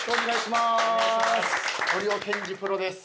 堀尾研仁プロです。